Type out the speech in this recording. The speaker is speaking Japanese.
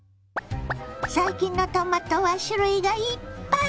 最近のトマトは種類がいっぱい！